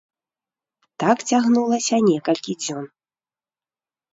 Так цягнулася некалькі дзён.